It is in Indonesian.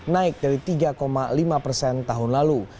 naik dari tiga lima persen tahun lalu